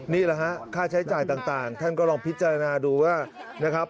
นี่แหละฮะค่าใช้จ่ายต่างท่านก็ลองพิจารณาดูว่านะครับ